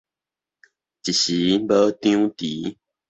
一時無張持